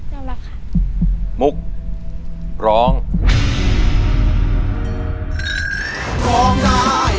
ยอมรับค่ะ